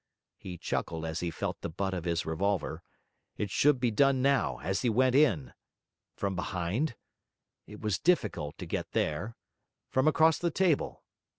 He chuckled as he felt the butt of his revolver. It should be done now, as he went in. From behind? It was difficult to get there. From across the table?